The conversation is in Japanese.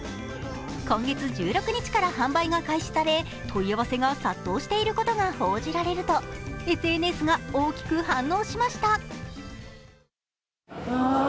今月１６日から販売が開始され問い合わせが殺到していることが報じられるとＳＮＳが大きく反応しました。